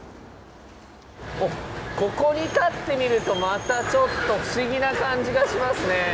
おっここに立ってみるとまたちょっと不思議な感じがしますねえ。